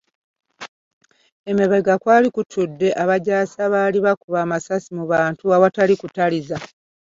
Emabega kwali kutudde abajaasi abaali bakuba amasasi mu bantu awataali kutaliza.